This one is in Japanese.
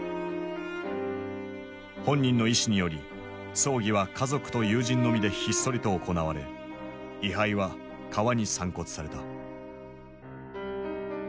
本人の遺志により葬儀は家族と友人のみでひっそりと行われ遺灰は川に散骨された。